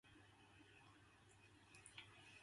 The director was Richard Eyre.